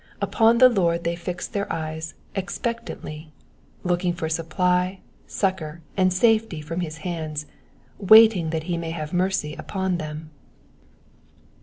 Upon the Lord th^ ^x their eyes expectantly^ looking for supply, succour, and safety from his hands, waiting that he may have mercy upon them.